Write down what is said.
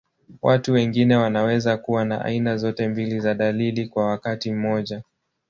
Watu wengine wanaweza kuwa na aina zote mbili za dalili kwa wakati mmoja.